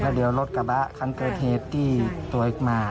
เดี๋ยวรถกระบะคันเกิดเหตุที่ตัวเองมา